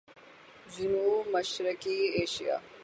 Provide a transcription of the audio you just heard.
جنوب مشرقی ایشیا